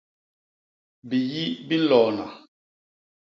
Biyi bi nloona.